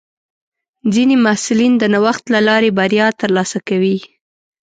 ځینې محصلین د نوښت له لارې بریا ترلاسه کوي.